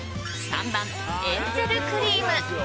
３、エンゼルクリーム。